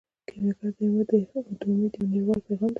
کیمیاګر د امید یو نړیوال پیغام دی.